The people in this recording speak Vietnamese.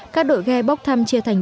các đội ghe bóc thăm chia thành bốn